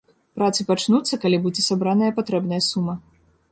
Працы пачнуцца, калі будзе сабраная патрэбная сума.